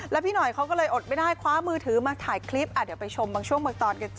แล้วพี่หน่อยเขาก็เลยอดไม่ได้คว้ามือถือมาถ่ายคลิปเดี๋ยวไปชมบางช่วงบางตอนกันจ้